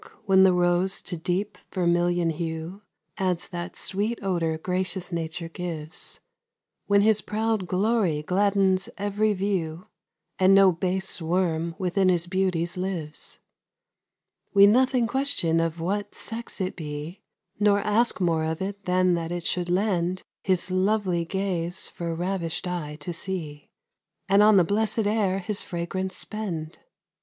III Look, when the rose to deep vermilion hue Adds that sweet odour gracious Nature gives, When his proud glory gladdens every view, And no base worm within his beauties lives, We nothing question of what sex it be, Nor ask more of it than that it should lend His lovely gaze for ravish'd eye to see, And on the blessed air his fragrance spend.